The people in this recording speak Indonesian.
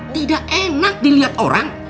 tidak enak dilihat orang